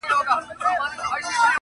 o دسترخان ته مه گوره، تندي ته ئې گوره٫